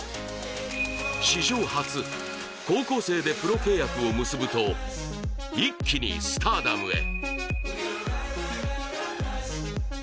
史上初、高校生でプロ契約を結ぶと一気にスターダムへ。